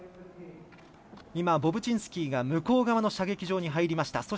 今、ボブチンスキーが向こう側の射撃場に入りました。